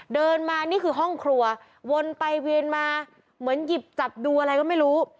เดินมานี่คือห้องครัววนไปเวียนมาเหมือนหยิบจับดูอะไรก็ไม่รู้